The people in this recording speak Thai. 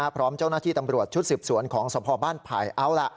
พร้อมเจ้าหน้าที่ตำรวจชุดสืบสวนของสพบ้านไผ่เอาล่ะ